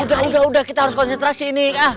udah udah udah kita harus koncentrasi nih